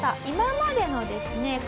今までのですね